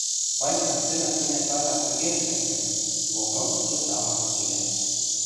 Ванька сцена стенӓ сага пӧкенӹштӹ шӹнзӓ, блокнотышкыжы тамам сирӓ.